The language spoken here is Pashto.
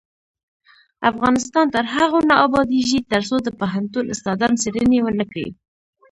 افغانستان تر هغو نه ابادیږي، ترڅو د پوهنتون استادان څیړنې ونکړي.